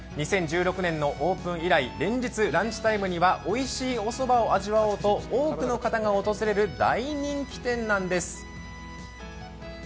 ２０１６年のオープン以来、連日ランチタイムにはおいしいおそばを求めて多くの方が訪れる大人気店なんです。